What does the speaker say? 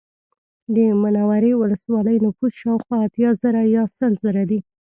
د منورې ولسوالۍ نفوس شاوخوا اتیا زره یا سل زره دی